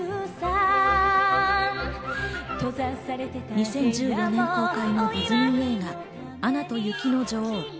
２０１４年公開のディズニー映画『アナと雪の女王』。